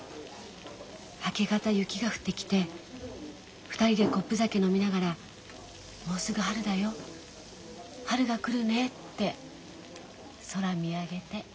明け方雪が降ってきて２人でコップ酒飲みながらもうすぐ春だよ春が来るねって空見上げて。